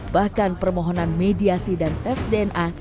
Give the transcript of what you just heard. bahkan permohonan mediasi dan tes dna